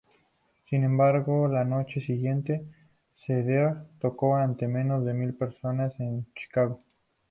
Sin embargo, la noche siguiente, Seger tocó ante menos de mil personas en Chicago.